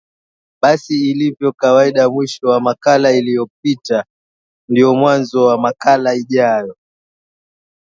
Basi kama ilivo kawaida mwisho wa makala iliyo pita ndo mwanzo wa makala ijayo